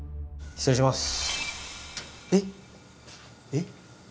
失礼します。